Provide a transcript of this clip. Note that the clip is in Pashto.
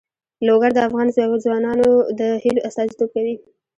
لوگر د افغان ځوانانو د هیلو استازیتوب کوي.